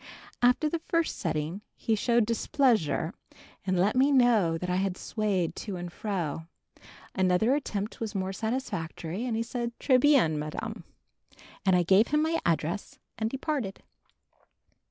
After the first sitting, he showed displeasure and let me know that I had swayed to and fro. Another attempt was more satisfactory and he said "Très bien, Madame," and I gave him my address and departed.